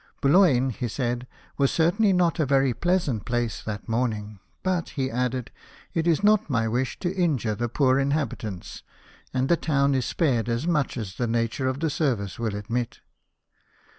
" Boulogne," he said, " was certainly not a very pleasant place that morning ; but," he added, " it is not my Avish to injure the poor inhabitants, and the town is spared as much as the nature of the service will admit."